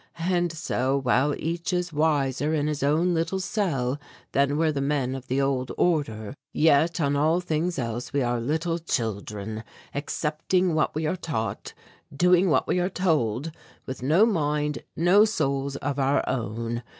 And so, while each is wiser in his own little cell than were the men of the old order, yet on all things else we are little children, accepting what we are taught, doing what we are told, with no mind, no souls of our own.